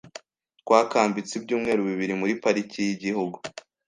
Twakambitse ibyumweru bibiri muri parike yigihugu.